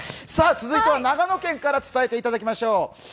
続いては長野県から伝えていただきましょう。